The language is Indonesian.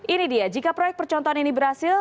ini dia jika proyek percontohan ini berhasil